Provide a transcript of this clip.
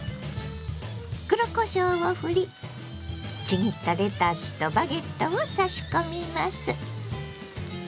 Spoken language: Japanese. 黒こしょうをふりちぎったレタスとバゲットを差し込みます。